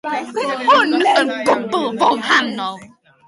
Roedd hyn yn gwbl foddhaol.